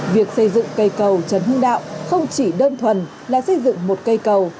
việc xây dựng cây cầu trấn hương đạo không chỉ đơn thuần là xây dựng một cây cầu